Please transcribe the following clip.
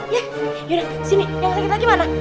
yaudah sini yang sakit lagi mana